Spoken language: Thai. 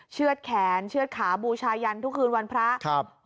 เชื่อดแขนเชื่อดขาบูชายันทุกคืนวันพระครับ